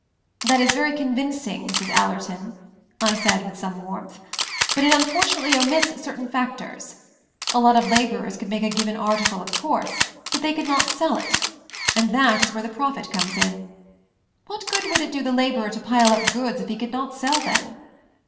"That is very convincing, Mrs. Allerton," I said with some warmth, "but it unfor tunately omits certain factors. A lot of laborers could make a given article, of course ; but they could not sell it — and that is where the profit comes in. What good would it do the laborer to pile up goods if he could not sell them?"